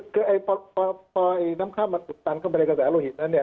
คือพอน้ำค่ำมันอุดตันเข้าไปในกระแสโลหิตนั้นเนี่ย